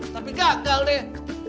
tapi gagal deh